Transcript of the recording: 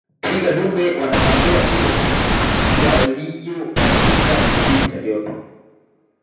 twiga dume wanatambua twiga jike waliyo katika kipindi cha joto